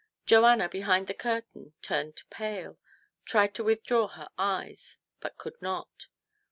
Joanna, behind the curtain, turned pale, tried to withdraw her eyes, but could not.